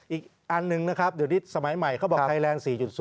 อีกอันหนึ่งนะครับเดี๋ยวนี้สมัยใหม่เขาบอกไทยแลนด๔๐